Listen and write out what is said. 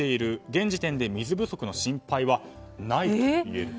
現時点で水不足の心配はないといえる。